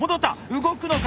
動くのか？